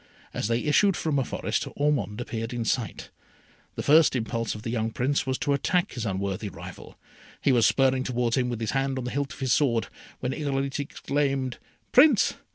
As they issued from a forest, Ormond appeared in sight. The first impulse of the young Prince was to attack his unworthy rival. He was spurring towards him with his hand on the hilt of his sword, when Irolite exclaimed, "Prince!